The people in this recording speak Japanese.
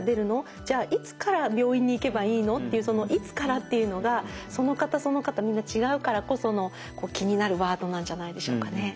じゃあいつから病院に行けばいいの？っていうその「いつから」っていうのがその方その方みんな違うからこその気になるワードなんじゃないでしょうかね。